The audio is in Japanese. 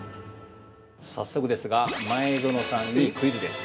◆早速ですが前園さんにクイズです。